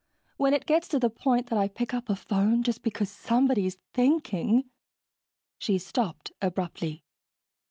When it gets to the point that I pick up a phone just because somebody's thinking...." She stopped abruptly.